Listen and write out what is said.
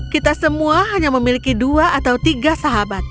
kita semua hanya memiliki dua atau tiga sahabat